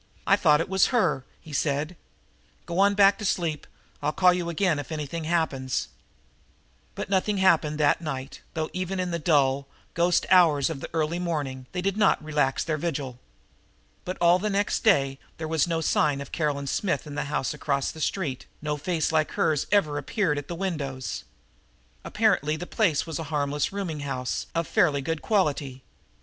"I thought we had her," he said. "Go on back to sleep. I'll call you again if anything happens." But nothing more happened that night, though even in the dull, ghost hours of the early morning they did not relax their vigil. But all the next day there was still no sign of Caroline Smith in the house across the street; no face like hers ever appeared at the windows. Apparently the place was a harmless rooming house of fairly good quality.